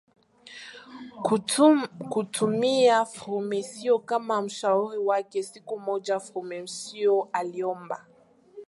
kumtumia Frumensyo kama mshauri wake Siku moja Frumensyo aliomba